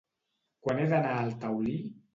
Quan he d'anar al Taulí?